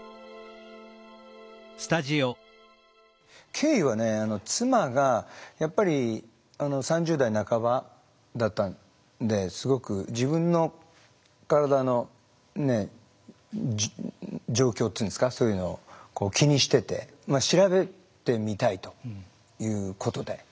経緯はね妻がやっぱり３０代半ばだったんですごく自分の体の状況っていうんですかそういうのを気にしてて調べてみたいということで。